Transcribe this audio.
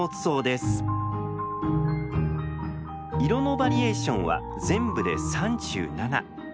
色のバリエーションは全部で３７。